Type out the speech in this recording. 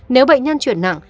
nếu bệnh nhân chuyển nặng